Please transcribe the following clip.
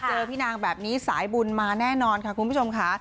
พี่นางแบบนี้สายบุญมาแน่นอนค่ะคุณผู้ชมค่ะ